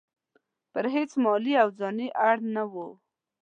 پر هیڅ مالي او ځاني اړ نه وو.